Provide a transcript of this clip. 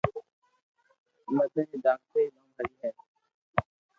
مدن ري دآڪرا نوم ھري ھي